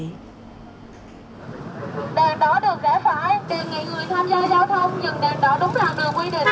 đèn đó được rẽ phái tìm nghị người tham gia giao thông nhưng đèn đó đúng là người quy định